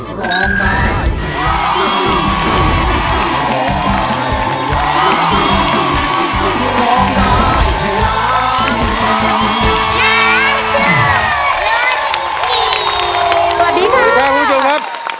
สวัสดีค่ะ